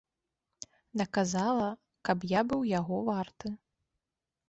Наказала, каб я быў яго варты.